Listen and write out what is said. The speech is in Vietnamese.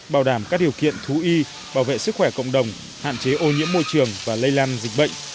bảo đảm các điều kiện thú y bảo vệ sức khỏe cộng đồng hạn chế ô nhiễm môi trường và lây lan dịch bệnh